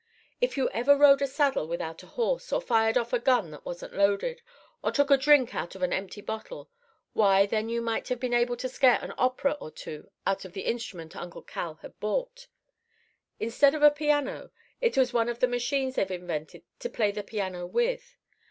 "If you ever rode a saddle without a horse, or fired off a gun that wasn't loaded, or took a drink out of an empty bottle, why, then you might have been able to scare an opera or two out of the instrument Uncle Cal had bought. "Instead of a piano, it was one of the machines they've invented to play the piano with.